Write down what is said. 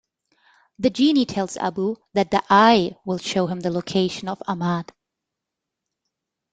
The genie tells Abu that the Eye will show him the location of Ahmad.